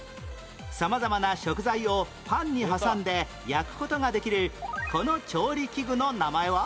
様々な食材をパンに挟んで焼く事ができるこの調理器具の名前は？